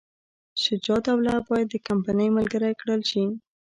شجاع الدوله باید د کمپنۍ ملګری کړل شي.